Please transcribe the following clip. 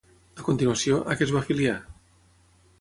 A continuació, a què es va afiliar?